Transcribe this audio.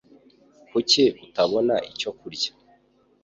Kuki utabona icyo kurya